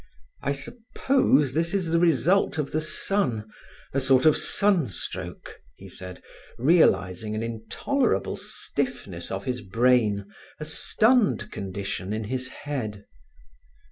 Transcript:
"I suppose this is the result of the sun—a sort of sunstroke," he said, realizing an intolerable stiffness of his brain, a stunned condition in his head.